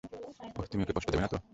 ওহ, তুমি ওকে কষ্ট দেবে না তো।